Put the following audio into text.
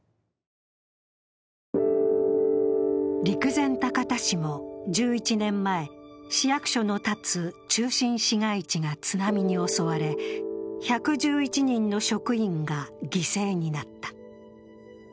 陸前高田市も１１年前、市役所の建つ中心市街地が津波に襲われ、１１１人の職員が犠牲になった。